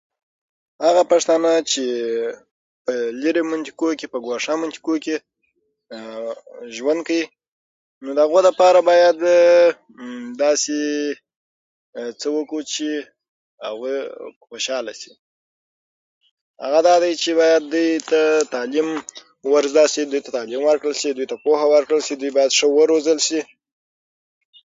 هغه پښتانه چې په لیري منطقو کې په ګوشه منطقو کې ممممم ژوند کوي نو د هغو لپاره باید داسي څه مممم وکړو چې خوشحاله شي هغه داده چې هغوی ته تعلیم ورته شي دوی ته تعلیم ورکړل شي دوی ته پوهه ورکړل شي دوی باید ښه وروزل شي